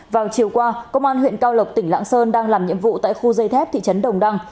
vào chiều qua công an huyện cao lộc tỉnh lạng sơn đang làm nhiệm vụ tại khu dây thép thị trấn đồng đăng